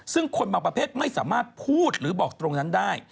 ซึ่งคนบางประเภทไม่สามารถพูดหรือบอกตรงนั้นได้